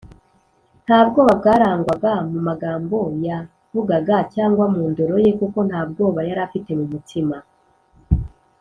nta bwoba bwarangwaga mu magambo yavugaga cyangwa mu ndoro ye, kuko nta bwoba yari afite mu mutima